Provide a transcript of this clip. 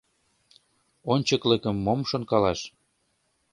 Ончыклыкым мом шонкалаш...